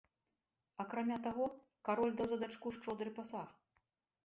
Акрамя таго, кароль даў за дачку шчодры пасаг.